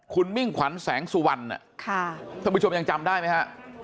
คุณมิ่งขวัญแสงสุวรรณท่านผู้ชมยังจำได้ไหมฮะ